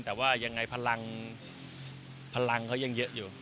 แต่ว่ายังไงพลังเขายังเยอะอยู่